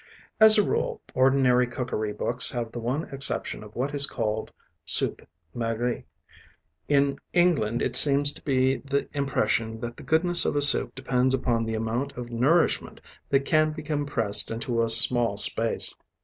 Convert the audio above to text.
As a rule, ordinary cookery books have the one exception of what is called soup maigre. In England it seems to be the impression that the goodness of the soup depends upon the amount of nourishment that can be compressed into a small space.